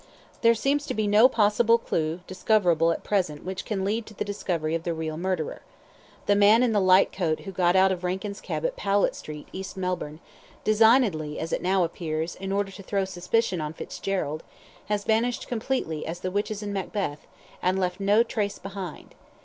There seems to be no possible clue discoverable at present which can lead to the discovery of the real murderer. The man in the light coat who got out of Rankin's cab at Powlett Street, East Melbourne (designedly, as it now appears, in order to throw suspicion on Fitzgerald), has vanished as completely as the witches in Macbeth, and left no trace behind.